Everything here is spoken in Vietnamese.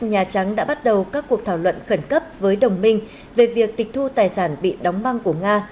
nhà trắng đã bắt đầu các cuộc thảo luận khẩn cấp với đồng minh về việc tịch thu tài sản bị đóng băng của nga